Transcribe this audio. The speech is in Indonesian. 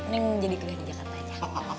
neng jadi kuliah di jakarta aja